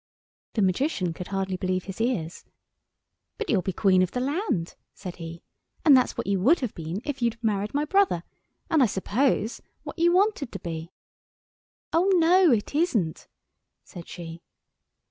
The Magician could hardly believe his ears. "But you'll be Queen of the land," said he, "and that's what you'd have been if you'd married my brother, and, I suppose, what you wanted to be." "O no, it isn't," said she.